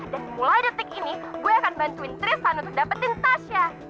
dan mulai detik ini gue akan bantuin tristan untuk dapetin tasya